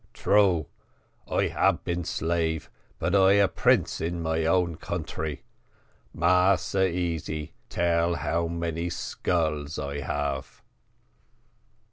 "True, I ab been slave but I a prince in my own country Massa Easy tell how many skulls I have."